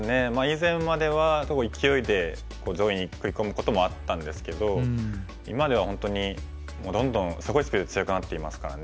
以前までは勢いで上位に食い込むこともあったんですけど今では本当にどんどんすごいスピードで強くなっていますからね。